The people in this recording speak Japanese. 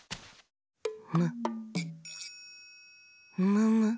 むむむ？